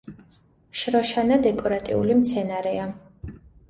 შროშანა დეკორატიული მცენარეა.